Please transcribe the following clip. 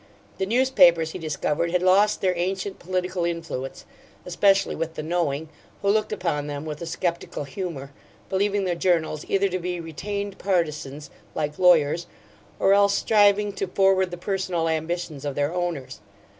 The newspapers, he discovered, had lost their ancient political influence, especially with the knowing, who looked upon them with a skeptical humor, believing the journals either to be retained partisans, like lawyers, or else striving to forward the personal ambitions of their owners.